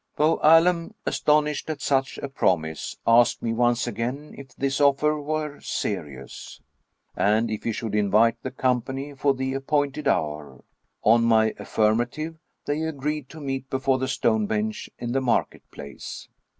Bou Allem, astonished at such a promise, asked me once again if this offer were serious, and if he should invite the company for the appointed hour. On my affirmative, they agreed to meet before the stone bench in the market place.